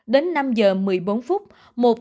đến năm giờ một mươi bốn phút